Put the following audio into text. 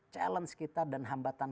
challenge kita dan hambatan